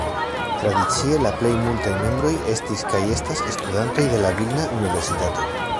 Tradicie la plej multaj membroj estis kaj estas studantoj de la Vilna Universitato.